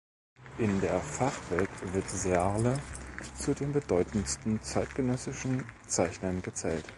In der Fachwelt wird Searle zu den bedeutendsten zeitgenössischen Zeichnern gezählt.